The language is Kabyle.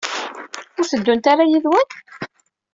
Ur tteddunt ara yid-wen?